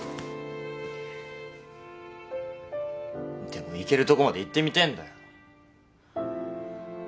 でもいけるとこまでいってみてえんだよ。